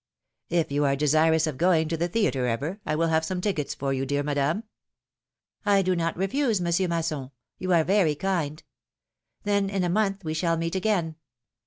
^^If you are desirous of going to the theatre ever, I will have some tickets for you, dear Madame." I do not refuse. Monsieur Masson ; you are very kind. Then in a month we shall meet again."